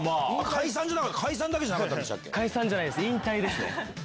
解散じゃないです引退ですね。